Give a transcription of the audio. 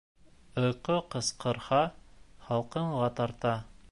Өкө ҡысҡырһа, һалҡынға тарта.